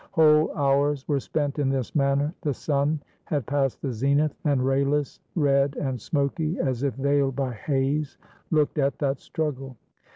Whole hours were spent in this manner. The sun had passed the zenith, and rayless, red, and smoky, as if veiled by haze, looked at that struggle.